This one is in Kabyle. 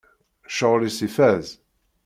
Ccɣel-is ifaz!